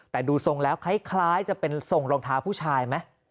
แต่ดูทรงแล้วคล้ายจะเป็นทรงรองเท้าผู้ชายไหม